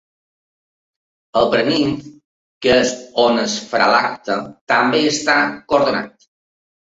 El paranimf, que és on es farà l’acte, també està cordonat.